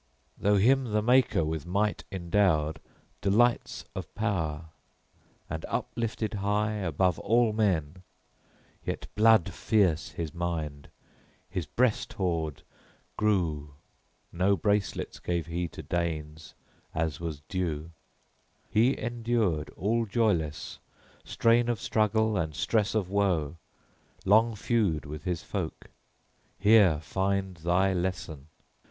Though him the Maker with might endowed, delights of power, and uplifted high above all men, yet blood fierce his mind, his breast hoard, grew, no bracelets gave he to Danes as was due; he endured all joyless strain of struggle and stress of woe, long feud with his folk. Here find thy lesson!